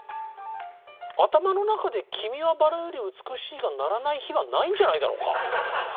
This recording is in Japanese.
頭の中で「君は薔薇より美しい」が鳴らない日がないんじゃないだろうか。